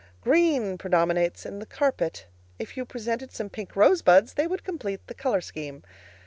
Green predominates in the carpet. If you presented some pink rosebuds, they would complete the color scheme.